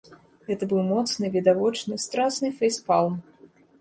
Гэта быў моцны, відавочны, страсны фэйспалм.